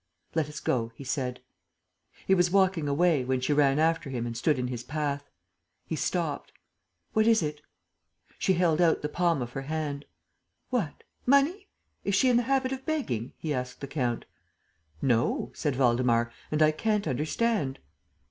"Let us go," he said. He was walking away, when she ran after him and stood in his path. He stopped: "What is it?" She held out the palm of her hand. "What? Money? ... Is she in the habit of begging?" he asked the count. "No," said Waldemar, "and I can't understand."